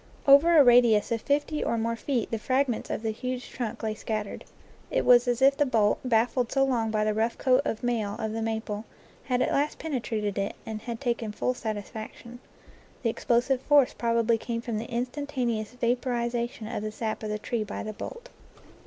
Over a radius of fifty or more feet the fragments of the huge trunk lay scattered. It was as if the bolt, baffled so long by the rough coat of mail of the maple, had at last penetrated it and had taken full satisfaction. The explosive force prob ably came from the instantaneous vaporization of the sap of the tree by the bolt.